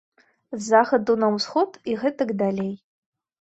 З захаду на ўсход і гэтак далей.